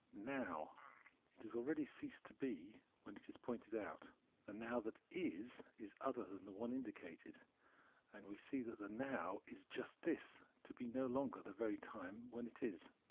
" Now "; it has already ceased to be when it is pointed out. The Now that is, is other than the one indicated, and we see that the Now is just this — to be no longer the very time when it is.